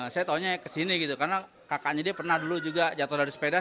saya taunya kesini gitu karena kakaknya dia pernah dulu juga jatuh dari sepeda